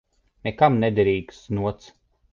Nekam nederīgais znots.